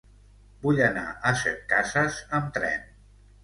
Vull anar a Setcases amb tren.